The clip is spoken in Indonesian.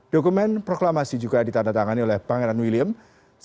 dokumen proklamasi juga ditandatangani oleh pangeran william